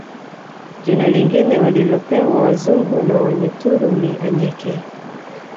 Jina lingine walilopewa wazungu na Wanyaturu ni Anyeke